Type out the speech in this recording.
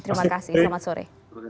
terima kasih selamat sore